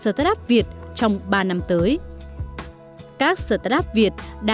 các start up việt đang đứng trước cơ hội được đầu tư mạnh mẽ từ các quỹ đầu tư tại việt nam